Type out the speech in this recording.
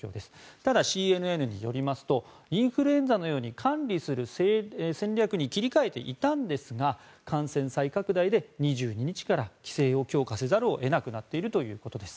ただ、ＣＮＮによりますとインフルエンザのように管理する戦略に切り替えていたんですが感染再拡大で２２日から規制を強化せざるを得なくなっているということです。